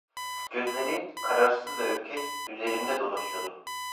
Gözleri, kararsız ve ürkek, üzerimde dolaşıyordu.